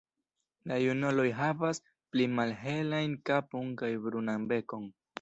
La junuloj havas pli malhelajn kapon kaj brunan bekon.